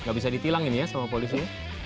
nggak bisa ditilangin ya sama polisi